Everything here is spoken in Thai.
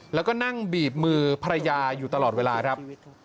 แล้วก็นั่งบีบมือภรรยาอยู่ตลอดเวลาครับ